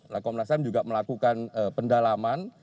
nah komnas ham juga melakukan pendalaman